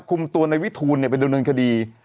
คุมตัวในวิทูณเนี่ยเป็นเดิมเรินคดี